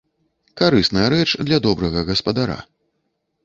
Карысная рэч для добрага гаспадара.